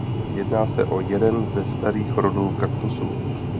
Jedná se o jeden ze starých rodů kaktusů.